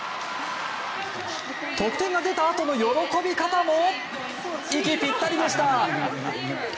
得点が出たあとの喜び方も息ぴったりでした。